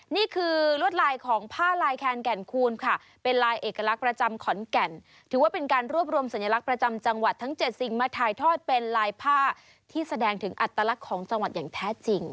นี่คือลวดลายของผ้าลายแคนแก่นคูณค่ะเป็นลายเอกลักษณ์ประจำขอนแก่นถือว่าเป็นการรวบรวมสัญลักษณ์ประจำจังหวัดทั้ง๗สิ่งมาถ่ายทอดเป็นลายผ้าที่แสดงถึงอัตลักษณ์ของจังหวัดอย่างแท้จริง